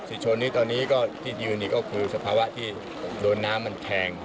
ชนนี้ตอนนี้ก็ที่ยืนอีกก็คือสภาวะที่โดนน้ำมันแทง